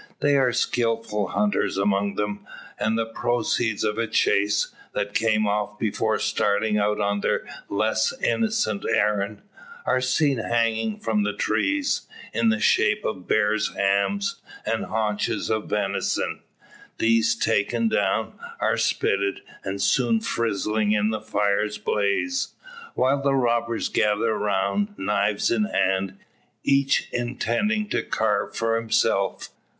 There are skilful hunters among them, and the proceeds of a chase, that came off before starting out on their less innocent errand, are seen hanging from the trees, in the shape of bear's hams and haunches of venison. These taken down, are spitted, and soon frizzling in the fire's blaze; while the robbers gather around, knives in hand, each intending to carve for himself.